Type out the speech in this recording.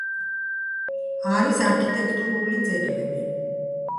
არის არქიტექტურული ძეგლები.